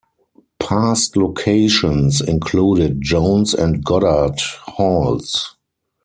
Past locations included Jones and Goddard Halls.